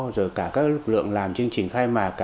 rồi cả các lực lượng làm chương trình khai mạc